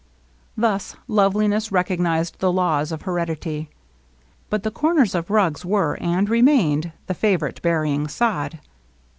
Thus Love liness recognized the laws of heredity. But the comers of rugs were, and remained, the favorite burying sod.